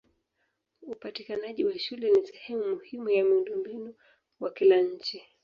Upatikanaji wa shule ni sehemu muhimu ya miundombinu wa kila nchi.